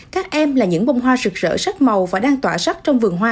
các em là những bông hoa rực rỡ sắc màu và đang tỏa sắc trong vườn hoa